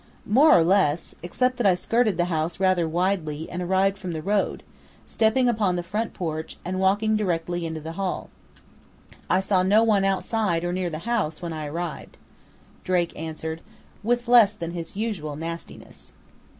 "More or less, except that I skirted the house rather widely and arrived from the road, stepping upon the front porch, and walking directly into the hall. I saw no one outside or near the house when I arrived," Drake answered, with less than his usual nastiness.